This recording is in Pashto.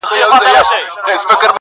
څو پړسېدلي د پردیو په کولمو ټپوسان٫